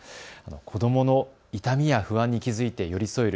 子どもの痛みや不安に気付いて寄り添える